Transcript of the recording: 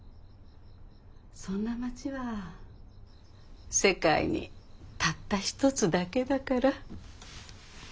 そんな町は世界にたったひとつだけだから。